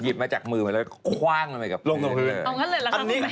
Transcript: หยิบมาจากมือแบบแล้วก็คว้างลงไปกับเพื่อน